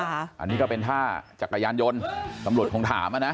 อันนี้ก็เป็นท่าจักรยานยนต์ตำรวจคงถามอ่ะนะ